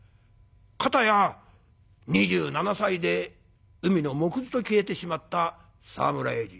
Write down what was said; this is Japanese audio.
片や２７歳で海のもくずと消えてしまった沢村栄治。